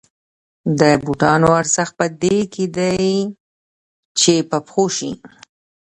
د بوټانو ارزښت په دې کې دی چې په پښو شي